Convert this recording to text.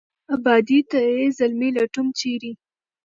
آبادۍ ته یې زلمي لټوم ، چېرې ؟